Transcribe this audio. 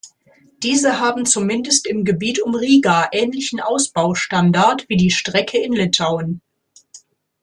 Diese haben zumindest im Gebiet um Riga ähnlichen Ausbaustandard wie die Strecke in Litauen.